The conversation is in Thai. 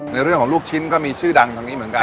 ในเรื่องของลูกชิ้นก็มีชื่อดังทางนี้เหมือนกัน